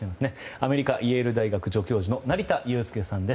アメリカ・イエール大学助教授の成田悠輔さんです。